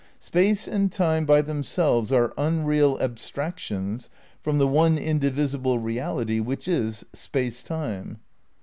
Space and Time by themselves are unreal abstractions from the one indivisible reality which is Space Time.